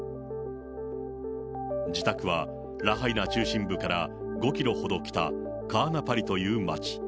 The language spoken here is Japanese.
自宅はラハイナ中心部から５キロほど北、カアナパリという町。